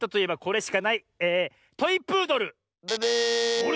あれ？